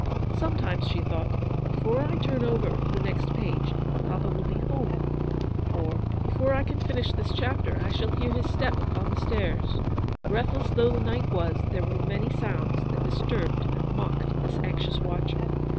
Sometimes she thought, "Before I turn over to the next page, papa will be home," or, " Before I can finish this chapter I shall hear his step upon the stairs." Breathless though the night was, there were many sounds that disturbed and mocked this anxious watcher.